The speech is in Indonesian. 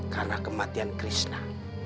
karena kematian krishna